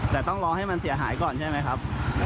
แต่ต้องรอให้มันเสียหายก่อนใช่ไหมครับ